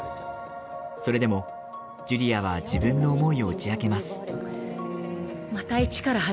それでも、ジュリアは自分の思いを打ち明けます。